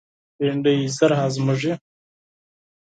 بېنډۍ ژر هضمیږي